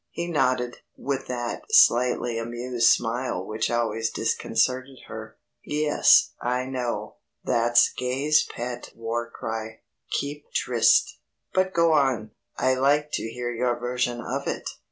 He nodded, with that slightly amused smile which always disconcerted her. "Yes, I know. That's Gay's pet war cry 'Keep tryst.' But go on, I'd like to hear your version of it."